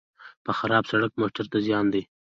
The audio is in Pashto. په خراب سړک موټر ته زیان دی.